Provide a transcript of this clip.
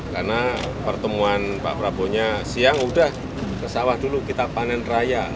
karena pertemuan pak prabowo siang sudah ke sawah dulu kita panen raya